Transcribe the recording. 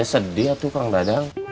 saya sedih waktu kurang dadah